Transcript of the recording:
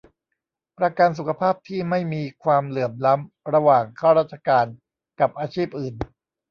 ประกันสุขภาพที่ไม่มีความเหลื่อมล้ำระหว่างข้าราชการกับอาชีพอื่น